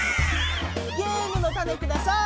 ゲームのタネください！